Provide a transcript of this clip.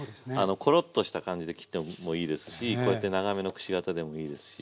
コロッとした感じで切ってもいいですしこうやって長めのくし形でもいいですし。